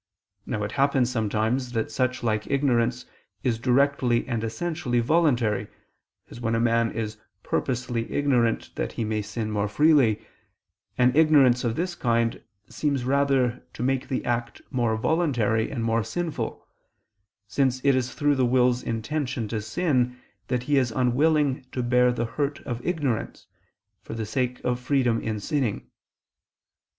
Now it happens sometimes that such like ignorance is directly and essentially voluntary, as when a man is purposely ignorant that he may sin more freely, and ignorance of this kind seems rather to make the act more voluntary and more sinful, since it is through the will's intention to sin that he is willing to bear the hurt of ignorance, for the sake of freedom in sinning.